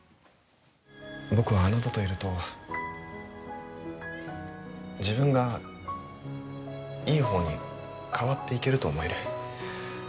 僕は、あなたといると自分が、いい方に変わっていけると思える。